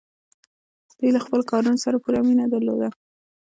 دوی له خپلو کارونو سره پوره مینه درلوده.